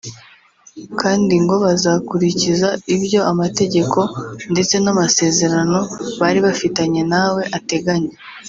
kandi ngo bazakurikiza ibyo amategeko ndetse n’amasezerano bari bafitanye nawe ateganya